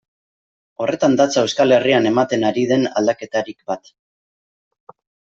Horretan datza Euskal Herrian ematen ari den aldaketarik bat.